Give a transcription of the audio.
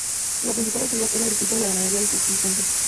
La principal actividad es la agricultura y la ganadería de subsistencia.